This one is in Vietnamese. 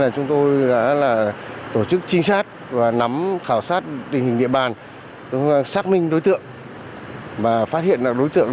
chúng tôi đã tổ chức trinh sát và nắm khảo sát tình hình địa bàn xác minh đối tượng và phát hiện đối tượng